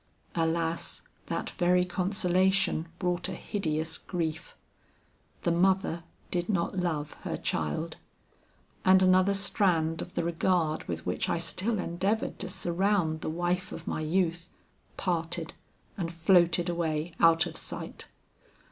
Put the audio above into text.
Alas, that very consolation brought a hideous grief; the mother did not love her child; and another strand of the regard with which I still endeavored to surround the wife of my youth, parted and floated away out of sight.